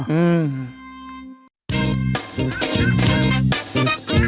อื้อ